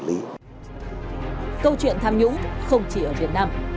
câu chuyện tham nhũng không chỉ ở việt nam